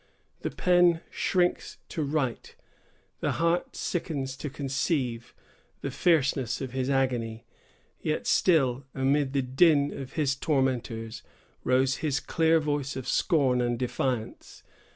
The pen shrinks to write, the heart sickens to conceive, the fierceness of his agony, yet still, amid the din of his tormentors, rose his clear voice of scorn and defiance.